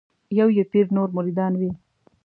یو یې پیر نور مریدان وي